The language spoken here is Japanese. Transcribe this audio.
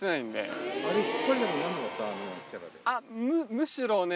むしろね。